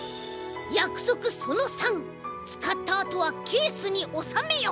やくそくその３「つかったあとはケースにおさめよ！」。